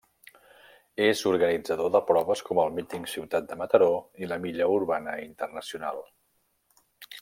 És organitzador de proves com el míting Ciutat de Mataró i la Milla Urbana Internacional.